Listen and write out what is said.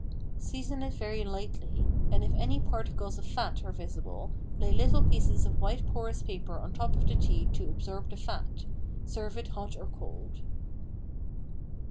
Season it very lightly, and if any particles of fat are visible lay little pieces of white porous paper on top of the tea to absorb the fat; serve it hot or cold.